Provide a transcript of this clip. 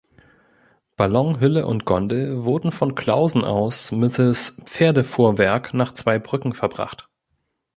Ballonhülle und Gondel wurden von Clausen aus mittels Pferdefuhrwerk nach Zweibrücken verbracht.